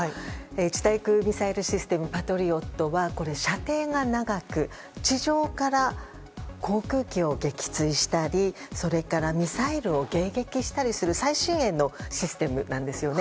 地対空ミサイルシステムパトリオットは射程が長く地上から航空機を撃墜したりミサイルを迎撃したりする最新鋭のシステムなんですね。